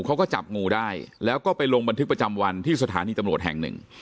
เขาก็จับงูได้แล้วก็ไปลงบันทึกประจำวันที่สถานีตำรวจแห่งหนึ่ง